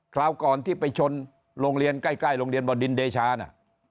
คราวก่อนที่ไปชนโรงเรียนใกล้โรงเรียนบ่อดินเดชานะ